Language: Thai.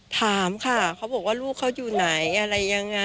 ถามค่ะเขาบอกว่าลูกเขาอยู่ไหนอะไรยังไง